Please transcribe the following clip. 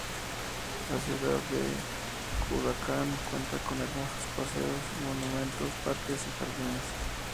La ciudad de Cunduacán, cuenta con hermosos paseos, monumentos, parques y jardines.